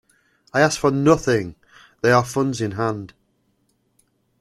I ask for nothing; there are funds in hand.